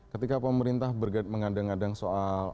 ketika pemerintah mengandang adang soal